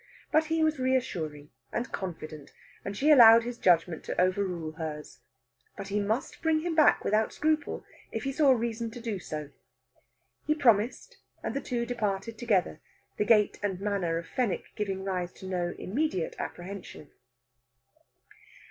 But he was reassuring and confident, and she allowed his judgment to overrule hers. But he must bring him back without scruple if he saw reason to do so. He promised, and the two departed together, the gait and manner of Fenwick giving rise to no immediate apprehension.